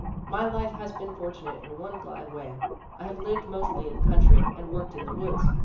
My life has been fortunate in one glad way: I have lived mostly in the country and worked in the woods.